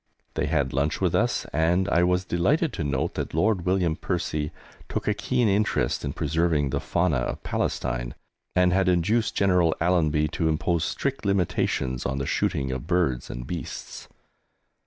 They had lunch with us, and I was delighted to note that Lord William Percy took a keen interest in preserving the fauna of Palestine, and had induced General Allenby to impose strict limitations on the shooting of birds and beasts.